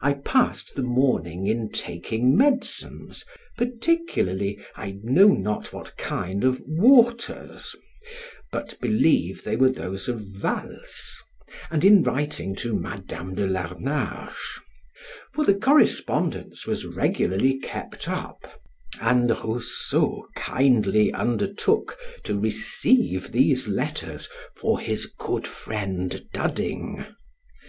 I passed the morning in taking medicines, particularly, I know not what kind of waters, but believe they were those of Vals, and in writing to Madam de Larnage: for the correspondence was regularly kept up, and Rousseau kindly undertook to receive these letters for his good friend Dudding.